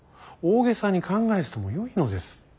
大げさに考えずともよいのです。